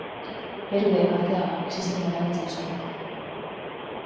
Peru de Arteaga ezizena erabiltzen zuen.